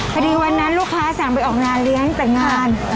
วันนั้นลูกค้าสั่งไปออกงานเลี้ยงแต่งงาน